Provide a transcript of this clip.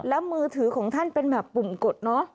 แล้วมือถือของท่านเป็นแบบปุ่มกดเนอะ